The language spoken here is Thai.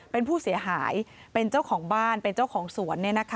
เป็นผู้เสียหายเป็นเจ้าของบ้านเป็นเจ้าของสวน